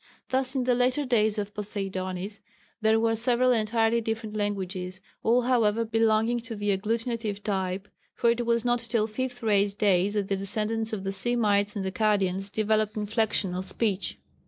Thus in the later days of Poseidonis there were several entirely different languages all however belonging to the agglutinative type for it was not till Fifth Race days that the descendants of the Semites and Akkadians developed inflectional speech.